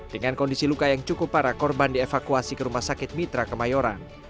dengan kondisi luka yang cukup parah korban dievakuasi ke rumah sakit mitra kemayoran